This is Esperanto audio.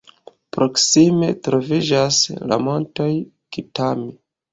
Proksime troviĝas la Montoj Kitami.